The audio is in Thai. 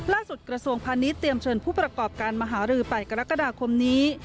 กระทรวงพาณิชยเตรียมเชิญผู้ประกอบการมหารือ๘กรกฎาคมนี้